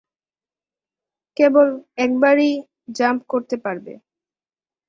কেবল একবারই জাম্প করতে পারবে।